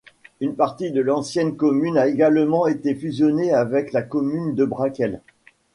Une partie de l’ancienne commune a également été fusionnée avec la commune de Brakel.